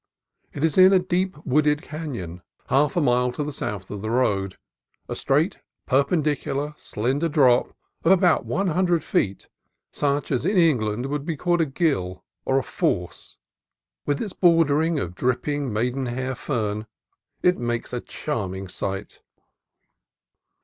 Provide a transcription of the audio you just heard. It is in a deep wooded canon, half a mile to the south of the road: a straight, perpendic ular, slender drop of about one hundred feet, such as in England would be called a "ghyll," or "force." Y\ ith its bordering of dripping maidenhair fern it makes a charming sight.